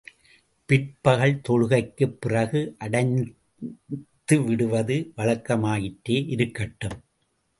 பிற்பகல் தொழுகைக்குப் பிறகு அடைத்துவிடுவது வழக்கமாயிற்றே! இருக்கட்டும்!